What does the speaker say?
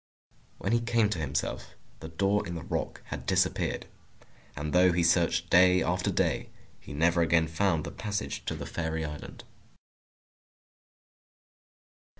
When he came to himself, the door in the rock had disappeared. And though he searched day after day, he never again found the passage to the Fairy Island.